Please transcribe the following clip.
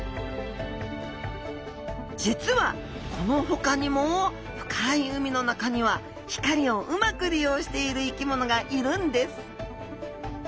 実はこのほかにも深い海の中には光をうまく利用している生き物がいるんです！